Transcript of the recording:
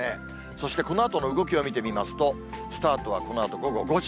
そしてこのあとの動きを見てみますと、スタートはこのあと午後５時。